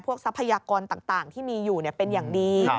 ทรัพยากรต่างที่มีอยู่เป็นอย่างดี